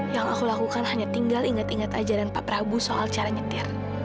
yang aku lakukan hanya tinggal ingat ingat ajaran pak prabu soal cara nyetir